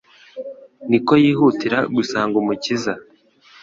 nuko yihutira gusanga Umukiza.